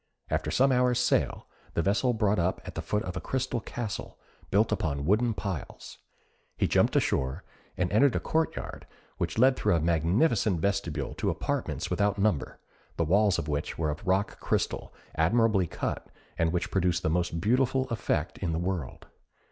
After some hours' sail, the vessel brought up at the foot of a crystal castle, built upon wooden piles. He jumped ashore, and entered a court yard which led through a magnificent vestibule to apartments without number, the walls of which were of rock crystal, admirably cut, and which produced the most beautiful effect in the world.